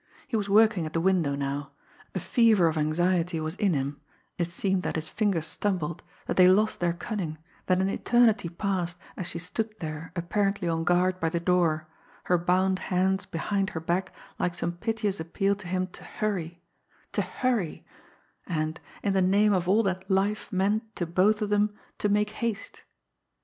He was working at the window now. A fever of anxiety was him it seemed that his fingers stumbled, that they lost their cunning, that an eternity passed as she stood there apparently on guard by the door, her bound hands behind her back like some piteous appeal to him to hurry to hurry and, in the name of all that life meant to both of them, to make haste.